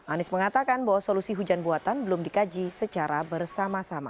anies mengatakan bahwa solusi hujan buatan belum dikaji secara bersama sama